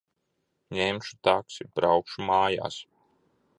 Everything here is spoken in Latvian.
Ņemšu taksi. Braukšu mājās.